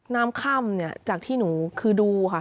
น้ำค่ำเนี่ยจากที่หนูคือดูค่ะ